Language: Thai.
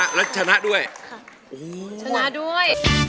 เคยร้องกับปวดด้วย